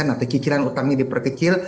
atau cicilan utangnya diperkecil